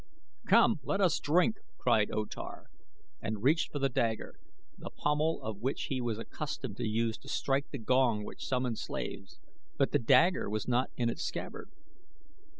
"Come! Let us drink!" cried O Tar and reached for the dagger, the pommel of which he was accustomed to use to strike the gong which summoned slaves, but the dagger was not in its scabbard.